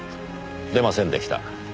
出ませんでした。